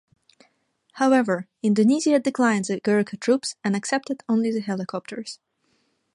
However, Indonesia declined the Gurkha troops, and accepted only the helicopters.